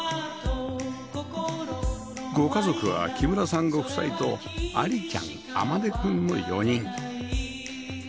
ご家族は木村さんご夫妻と照ちゃん舜君の４人